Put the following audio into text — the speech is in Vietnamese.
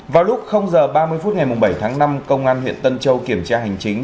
vào lúc h ba mươi phút ngày bảy tháng năm công an huyện tân châu kiểm tra hành chính